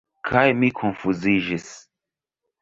Kaj mi konfuziĝis.